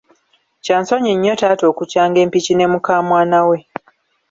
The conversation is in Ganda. Kyansonyi nnyo taata okukyanga empiki ne mukamwana we.